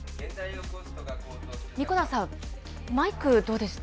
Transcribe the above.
神子田さん、マイク、どうです？